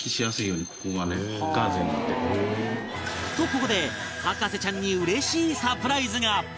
とここで博士ちゃんにうれしいサプライズが